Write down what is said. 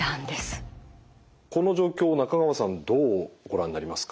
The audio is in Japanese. この状況を中川さんどうご覧になりますか？